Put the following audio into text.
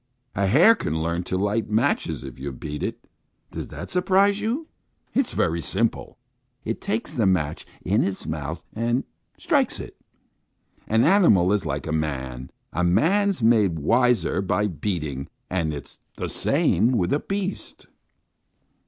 A hare can learn to light matches if you beat it. Does that surprise you? It's very simple! It takes the match in its mouth and strikes it. An animal is like a man. A man's made wiser by beating, and it's the same with a beast."